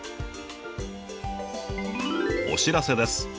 お知らせです。